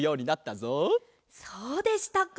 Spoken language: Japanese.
そうでしたか。